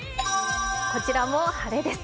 こちも晴れです。